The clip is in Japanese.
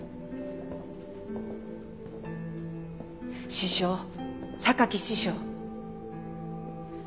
師匠榊師匠。